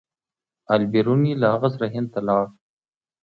البیروني له هغه سره هند ته لاړ.